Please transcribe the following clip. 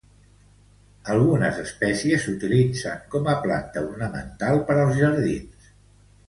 Algunes espècies s'utilitzen com a planta ornamental per als jardins.